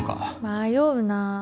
迷うな。